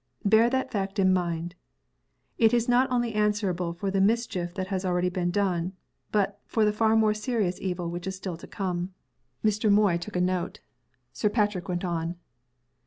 Bear that fact in mind. It is not only answerable for the mischief that has been already done, but for the far more serious evil which is still to come." Mr. Moy took a note. Sir Patrick went on.